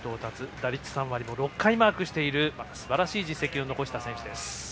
打率３割も６回マークしているすばらしい実績を残した選手。